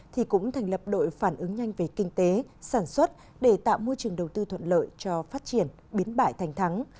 thì cũng thành lập đội phản ứng nhanh về kinh tế sản xuất để tạo môi trường đầu tư thuận lợi cho phát triển biến bại thành thắng